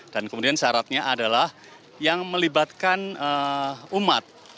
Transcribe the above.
dan kemudian syaratnya adalah yang melibatkan umat